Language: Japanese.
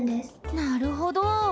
なるほど。